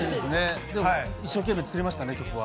一生懸命作りましたんで、曲は。